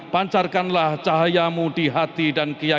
pancarkanlah cahaya muziknya